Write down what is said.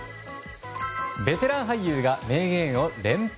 ベテラン俳優が名言を連発。